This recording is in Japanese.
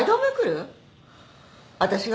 私が？